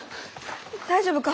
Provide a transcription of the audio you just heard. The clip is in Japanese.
大丈夫か？